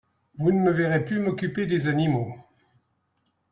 Vous ne me verrez plus m'occuper des animaux.